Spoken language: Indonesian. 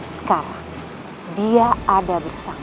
sekarang dia ada bersamaku